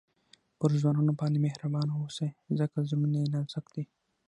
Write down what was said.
پر ځوانانو باندي مهربانه واوسئ؛ ځکه زړونه ئې نازک دي.